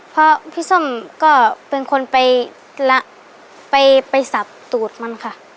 เพราะพี่ส้มก็เป็นคนไปละไปสับตูดมันค่ะ